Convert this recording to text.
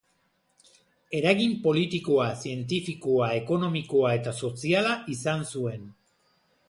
Eragin politikoa, zientifikoa, ekonomikoa eta soziala izan zuen.